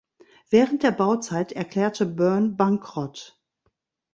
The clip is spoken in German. Während der Bauzeit erklärte Burn Bankrott.